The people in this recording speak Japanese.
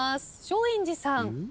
松陰寺さん。